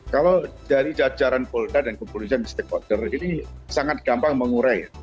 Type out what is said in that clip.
kalau dari jajaran polda dan kepolisian di stakeholder ini sangat gampang mengurai